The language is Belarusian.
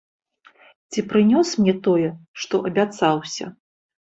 Ці прынёс мне тое, што абяцаўся?